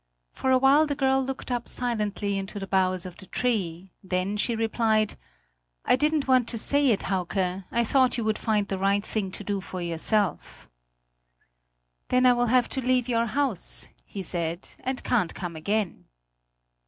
For a while the girl looked up silently into the boughs of the tree; then she replied: "I didn't want to say it, Hauke; I thought you would find the right thing to do for yourself." "Then I will have to leave your house," he said, "and can't come again."